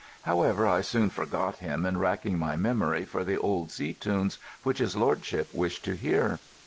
However, I soon forgot him in racking my memory for the old sea tunes which his lordship wished to hear.